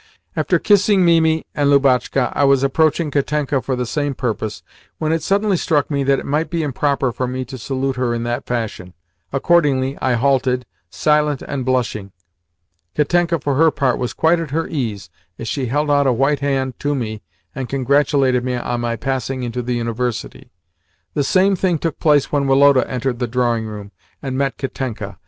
After kissing Mimi and Lubotshka, I was approaching Katenka for the same purpose when it suddenly struck me that it might be improper for me to salute her in that fashion. Accordingly I halted, silent and blushing. Katenka, for her part, was quite at her ease as she held out a white hand to me and congratulated me on my passing into the University. The same thing took place when Woloda entered the drawing room and met Katenka.